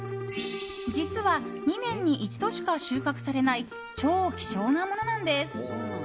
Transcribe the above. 実は２年に一度しか収穫されない超希少なものなんです。